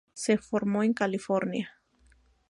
Se formó en California.